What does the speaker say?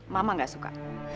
mama gak suka